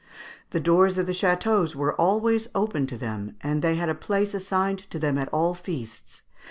The doors of the châteaux were always open to them, and they had a place assigned to them at all feasts.